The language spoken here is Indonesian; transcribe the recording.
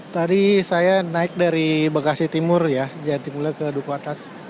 tadi saya naik dari bekasi timur ya jatimula ke duku atas